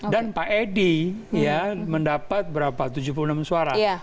dan pak edi ya mendapat berapa tujuh puluh enam suara